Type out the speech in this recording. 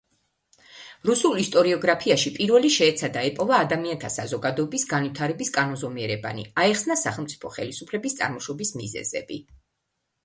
რუსულ ისტორიოგრაფიაში პირველი შეეცადა ეპოვა ადამიანთა საზოგადოების განვითარების კანონზომიერებანი, აეხსნა სახელმწიფო ხელისუფლების წარმოშობის მიზეზები.